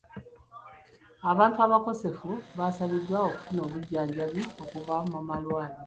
Abantu abakosefu baasabibwa okufuna obujjanjabi okuva mu malwaliro.